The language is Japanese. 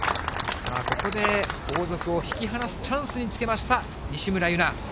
さあ、ここで後続を引き離すチャンスにつけました、西村優菜。